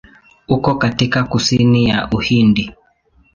Uko katika kusini ya Uhindi.